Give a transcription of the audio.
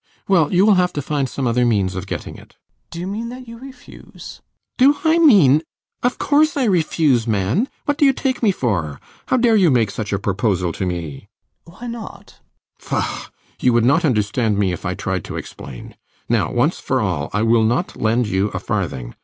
Well, you will have to find some other means of getting it. LOUIS. Do you mean that you refuse? RIDGEON. Do I mean ! [letting his indignation loose] Of course I refuse, man. What do you take me for? How dare you make such a proposal to me? LOUIS. Why not? RIDGEON. Faugh! You would not understand me if I tried to explain. Now, once for all, I will not lend you a farthing.